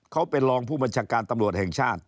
เขาเป็นรองผู้บัญชาการตำรวจแห่งชาติ